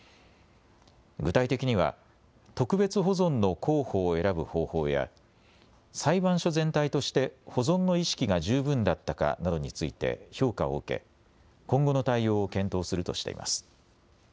具体的には特別保存の候補を選ぶ方法や裁判所全体として保存の意識が十分だったかなどについて評価を受け今後の対応を検討するとしています。